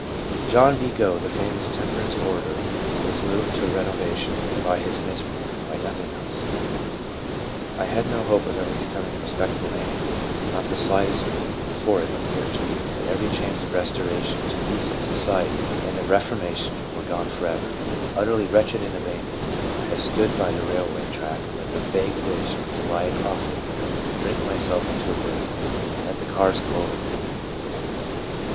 1 John B. Gough, the famous temperance orator, is moved to renovation by his misery, by nothing else : "I had no hope of ever becoming a respectable man again — not the slightest — for it appeared to me that every chance of restoration to 1 " Confessions of St. Augustine." 326 LBUBA : decent society and of reformation were gone forever. .. Utterly wretched and abandoned, I have stood by the rail way track with a vague wish to lie across it, drink myself into oblivion, and let the cars go over me."